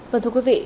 vâng thưa quý vị